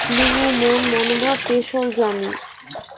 দুঁহু মন মনোভাব পেশল জানি।